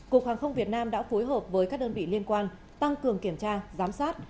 cục hàng không việt nam đã phối hợp với các đơn vị liên quan tăng cường kiểm tra giám sát